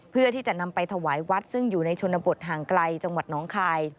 เพื่อที่จะนำไปถวายวัดซึ่งอยู่ในชนบทห่างไกลจังหวัดน้องคาย